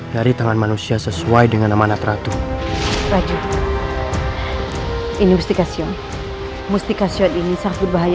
dari tangan manusia sesuai dengan amanat ratu ini mustika sion mustika sion ini sangat bahaya